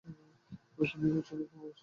ফাইজলামি করছে নাকি আমাদের সাথে?